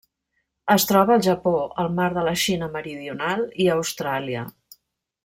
Es troba al Japó, el mar de la Xina Meridional i Austràlia.